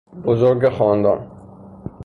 بزرگ خاندان